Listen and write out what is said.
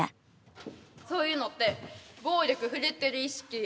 そういうのって暴力振るってる意識。